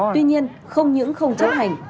tuy nhiên không những không chấp hành